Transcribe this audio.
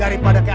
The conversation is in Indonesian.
ya gue seneng